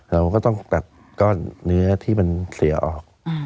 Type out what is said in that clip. เราก็ต้องตัดก้อนเนื้อที่มันเสียออก